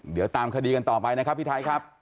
เดี๋ยวตามคดีกันต่อไปนะครับพี่ไทยครับ